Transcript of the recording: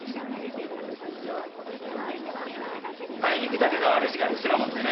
あいにくだけど主が留守なもんでね。